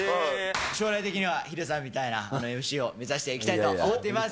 将来的にはヒデさんみたいなＭＣを目指していきたいと思っています。